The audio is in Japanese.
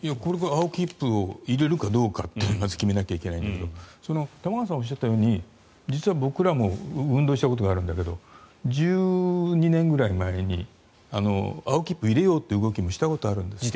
青切符を入れるかどうかっていうのをまず決めなきゃいけないんだけど玉川さんがおっしゃったように実は僕らも運動したことがあるんだけど１２年ぐらい前に青切符を入れようという動きをしたことがあるんです。